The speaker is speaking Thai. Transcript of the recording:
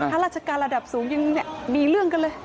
ข้าราชการระดับสูงยังมีเรื่องกันเลย